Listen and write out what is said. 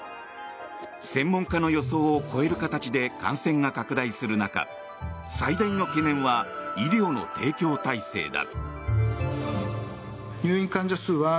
専門家の予想を超える形で感染が拡大する中最大の懸念は医療の提供体制だ。